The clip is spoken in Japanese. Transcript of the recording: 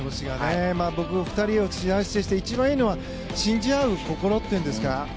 僕、２人を見ていて一番いいのは信じ合う心というんですか。